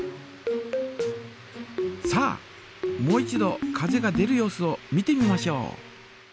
さあもう一度風が出る様子を見てみましょう。